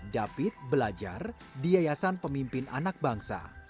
david belajar di yayasan pemimpin anak bangsa